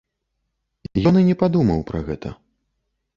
Ён і не падумаў пра гэта.